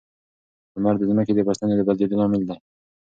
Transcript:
لمر د ځمکې د فصلونو د بدلېدو لامل دی.